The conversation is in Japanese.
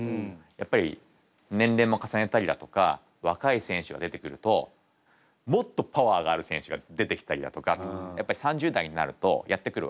やっぱり年齢も重ねたりだとか若い選手が出てくるともっとパワーがある選手が出てきたりだとかやっぱり３０代になるとやってくるわけです。